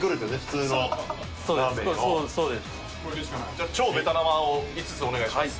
じゃあ超べたなまを５つお願いします。